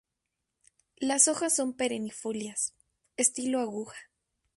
Las hojas son perennifolias, estilo aguja.